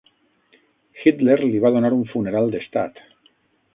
Hitler li va donar un funeral d'estat.